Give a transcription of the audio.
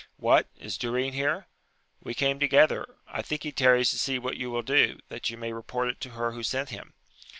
— What ! is Durin here ?— We came together : I think he tarries to see what you will do, that he may report it to her who sent him.